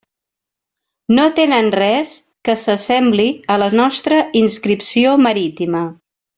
No tenen res que s'assembli a la nostra inscripció marítima.